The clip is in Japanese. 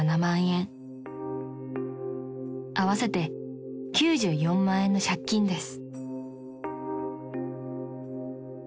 ［合わせて９４万円の借金です］